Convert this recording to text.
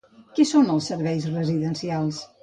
Què són els serveis residencials?